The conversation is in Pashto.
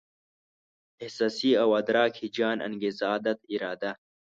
احساس او ادراک، هيجان، انګېزه، عادت، اراده